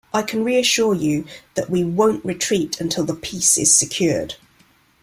I can reassure you, that we won't retreat until the peace is secured.